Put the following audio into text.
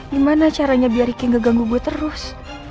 gimana caranya biar riki gak ganggu gue terus